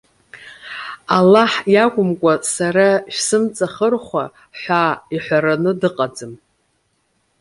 Аллаҳ иакәымкәа сара шәсымҵахырхәа,- ҳәа иҳәараны дыҟаӡам.